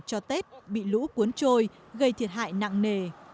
cho tết bị lũ cuốn trôi gây thiệt hại nặng nề